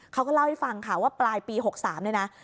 เขาก็เล่าให้ฟังค่ะว่าปลายปี๖๓เนี่ยนะ